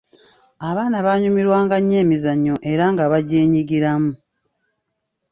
Abaana baanyumirwanga nnyo emizannyo era nga bagyenyigiramu.